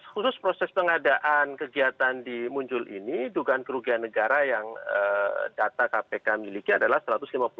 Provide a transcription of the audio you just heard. khusus proses pengadaan kegiatan di muncul ini dugaan kerugian negara yang data kpk miliki adalah satu ratus lima puluh